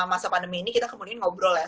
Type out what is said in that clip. masa pandemi ini kita kemudian ngobrol ya